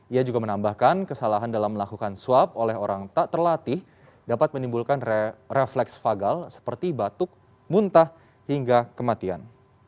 ia juga menambahkan kesalahan dalam melakukan swab oleh orang tak terlatih dapat menimbulkan refleks fagal seperti batuk muntah hingga kematian